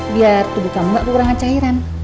biar tubuh kamu gak kekurangan cairan